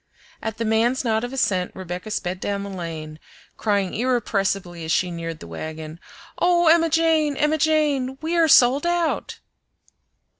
At the man's nod of assent Rebecca sped down the lane, crying irrepressibly as she neared the wagon, "Oh, Emma Jane! Emma Jane! we are sold out!"